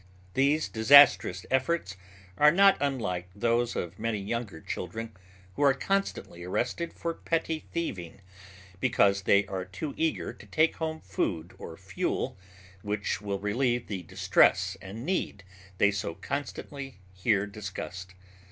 These disastrous efforts are not unlike those of many younger children who are constantly arrested for petty thieving because they are too eager to take home food or fuel which will relieve the distress and need they so constantly hear discussed.